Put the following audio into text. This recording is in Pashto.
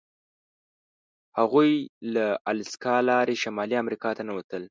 هغوی له الاسکا لارې شمالي امریکا ته ننوتل.